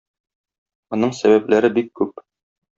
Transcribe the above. Моның сәбәпләре бик күп.